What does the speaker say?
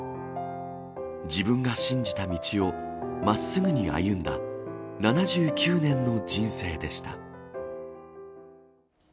自分が信じた道をまっすぐに歩んだ、７９年の人生でした。